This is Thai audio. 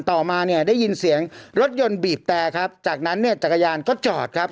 ต่อมาเนี่ยได้ยินเสียงรถยนต์บีบแต่ครับจากนั้นเนี่ยจักรยานก็จอดครับ